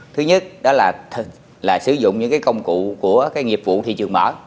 thứ nhất đó là sử dụng những cái công cụ của cái nghiệp vụ thị trường mở